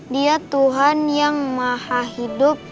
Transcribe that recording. dia tuhan yang maha hidup